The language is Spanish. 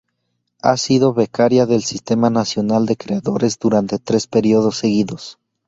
Ha sido becaria del Sistema Nacional de Creadores durante tres periodos seguidos.